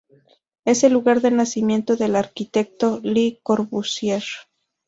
Es el lugar de nacimiento del arquitecto Le Corbusier.